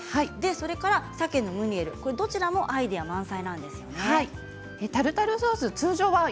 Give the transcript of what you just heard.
それから、さけのムニエルどちらもアイデア満載なんですよね。